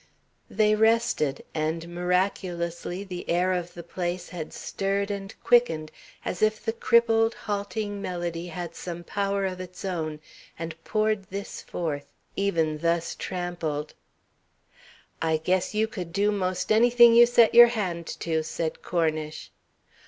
They rested, and, miraculously, the air of the place had stirred and quickened, as if the crippled, halting melody had some power of its own, and poured this forth, even thus trampled. "I guess you could do 'most anything you set your hand to," said Cornish.